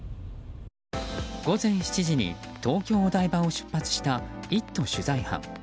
午前７時に東京・お台場を出発した「イット！」取材班。